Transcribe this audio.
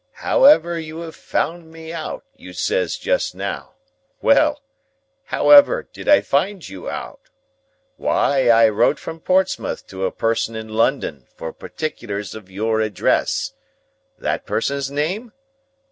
'However, you have found me out,' you says just now. Well! However, did I find you out? Why, I wrote from Portsmouth to a person in London, for particulars of your address. That person's name?